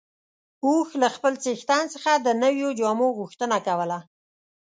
اوښ له خپل څښتن څخه د نويو جامو غوښتنه کوله.